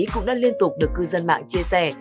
cũng đã liên tục được cư dân mạng chia sẻ